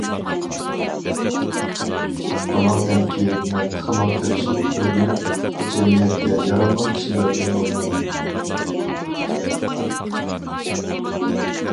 بۇنىڭدىن كېيىن مەن تېخىمۇ تىرىشىپ ئۆگىنىپ، جەمئىيەتكە ياراملىق كىشىلەردىن بولىمەن.